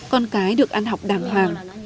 con cái được ăn học đàng hoàng